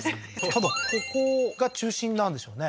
ただここが中心なんでしょうね